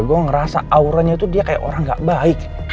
gue ngerasa auranya itu dia kayak orang gak baik